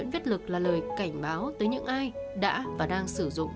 thì lúc này số hàng xóm đến đông